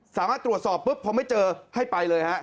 สามารถตรวจสอบปุ๊บพอไม่เจอให้ไปเลยฮะ